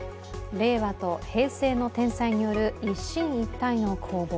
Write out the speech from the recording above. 令和と平成の天才による一進一退の攻防。